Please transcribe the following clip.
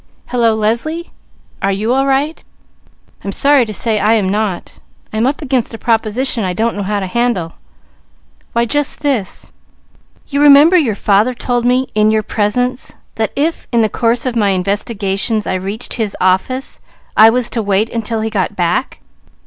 "Hello Leslie! Are you all right? I'm sorry to say I am not. I'm up against a proposition I don't know how to handle. Why just this: remember your father told me in your presence that if in the course of my investigations I reached his office, I was to wait until he got back?